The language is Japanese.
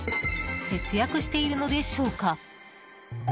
節約しているのでしょうか？